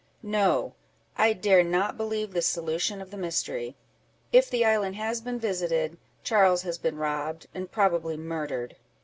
"No! I dare not believe this solution of the mystery: if the island has been visited, Charles has been robbed, and probably murdered."